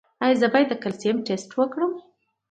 ایا زه باید د کلسیم ټسټ وکړم؟